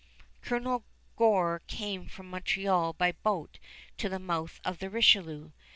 Colonel Gore came from Montreal by boat to the mouth of the Richelieu.